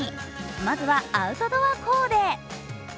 まずはアウトドアコーデ。